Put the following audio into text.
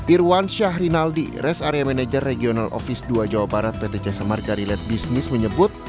irwan syah rinaldi res area manager regional office dua jawa barat pt jasa marga relay business menyebut